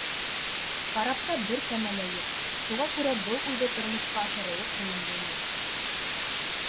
Карапта бер кәмә лә юҡ, шуға күрә был уйҙы тормошҡа ашырыуы ҡыйын булмаясаҡ.